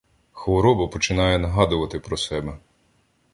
Хвороба починає нагадувати про себе.